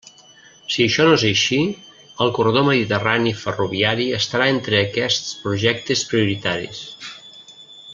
Si això és així, el corredor mediterrani ferroviari estarà entre aquests projectes prioritaris.